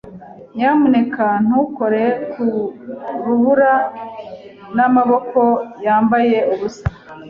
Nyamuneka ntukore ku rubura n'amaboko yambaye ubusa.